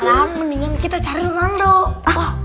sekarang mendingan kita cari orang lalu